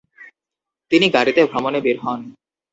তিনি গাড়িতে ভ্রমনে বের হন।